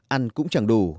ăn cũng chẳng đủ